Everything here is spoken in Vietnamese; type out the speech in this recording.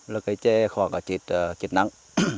là cái chè khoảng chết nắng